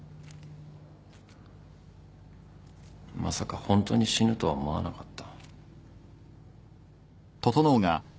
まさかホントに死ぬとは思わなかった。